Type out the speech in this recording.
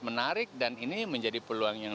menarik dan ini menjadi peluang yang